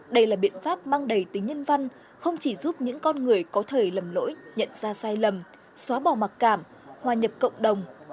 đây là biện pháp mang đầy tính nhân văn không chỉ giúp những con người có thời lầm lỗi nhận ra sai lầm xóa bỏ mặc cảm hòa nhập cộng đồng